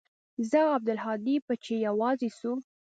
زه او عبدالهادي به چې يوازې سو.